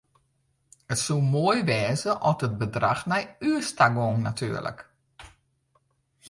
It soe moai wêze at it bedrach nei ús ta gong natuerlik.